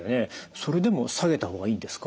それでも下げた方がいいんですか？